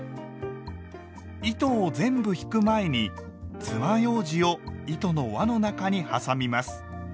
糸を全部引く前につまようじを糸の輪の中に挟みます。